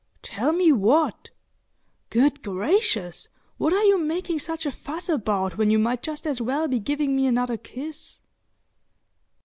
"Tell me what? Good gracious, what are you making such a fuss about when you might just as well be giving me another kiss?"